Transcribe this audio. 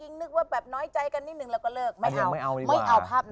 นึกว่าแบบน้อยใจกันนิดนึงแล้วก็เลิกไม่เอาไม่เอาภาพนั้น